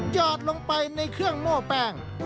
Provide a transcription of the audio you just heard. อดลงไปในเครื่องโม้แป้ง